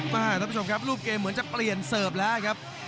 ท่านผู้ชมครับรูปเกมเหมือนจะเปลี่ยนเสิร์ฟแล้วครับ